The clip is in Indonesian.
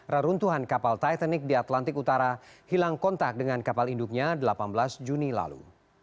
reruntuhan kapal titanic di atlantik utara hilang kontak dengan kapal induknya delapan belas juni lalu